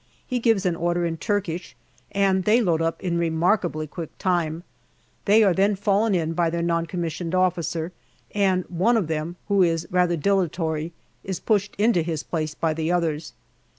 He gives an order in Turkish, and they load up in remarkably quick time. They are then fallen in by their N.C.O., and one of them who is rather dilatory is pushed into his place by the others.